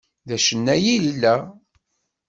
D acennay i yella.